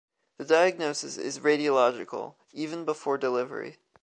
The diagnosis is radiological, even before delivery.